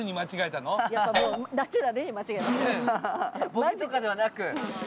ボケとかではなく？